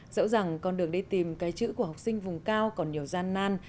dẫu rằng con đường đi tìm cái chữ của học sinh vùng cao còn nhiều gian nan